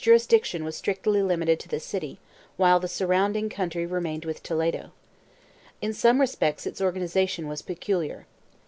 3 Its jurisdiction was strictly limited to the city, while the surrounding country remained with Toledo. In some respects its organization was peculiar.